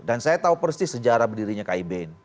dan saya tahu persis sejarah berdirinya kib